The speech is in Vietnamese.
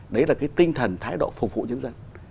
đấy là cái tinh thần thái độ phục vụ nhân dân